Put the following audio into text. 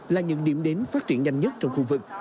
là những điểm đến phát triển nhanh nhất trong khu vực